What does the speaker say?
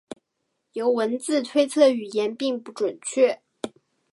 由文字推测语言并不准确。